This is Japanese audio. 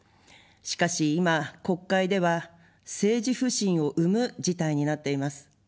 しかし今、国会では政治不信を生む事態になっています。